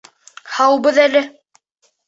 Һаубыҙ әле!